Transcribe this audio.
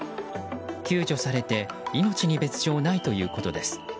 救助されて命に別条ないということです。